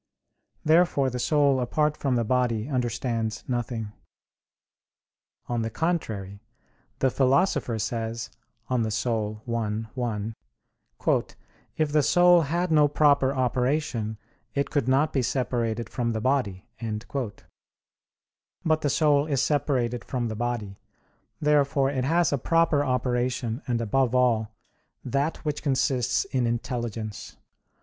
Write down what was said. Therefore the soul apart from the body understands nothing. On the contrary, The Philosopher says (De Anima i, 1), "If the soul had no proper operation, it could not be separated from the body." But the soul is separated from the body; therefore it has a proper operation and above all, that which consists in intelligence.